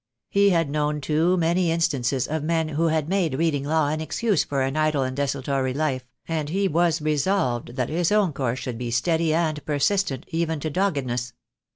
He had known too many instances of men who had made reading law an excuse for an idle and The Day will come. L 1 6 242 THE DAY WILL COME. desultory life, and he was resolved that his own course should be steady and persistent even to doggedness.